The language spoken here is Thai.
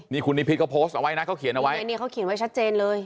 นี่คุณนิพิษเขาโพสต์เอาไว้นะเขาเขียนเอาไว้อันนี้เขาเขียนไว้ชัดเจนเลย